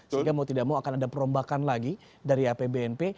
sehingga mau tidak mau akan ada perombakan lagi dari apbnp